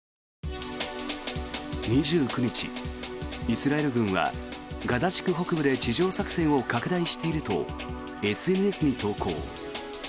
２９日、イスラエル軍はガザ地区北部で地上作戦を拡大しているとＳＮＳに投稿。